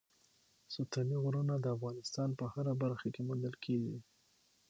ستوني غرونه د افغانستان په هره برخه کې موندل کېږي.